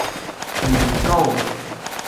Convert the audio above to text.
年糕